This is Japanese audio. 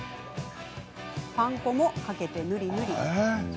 パン粉も、かけて、ぬりぬり。